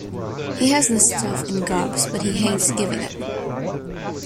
He has the stuff in gobs, but he hates giving up.